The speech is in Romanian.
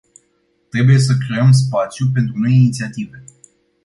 Trebuie să creăm spațiu pentru noi inițiative.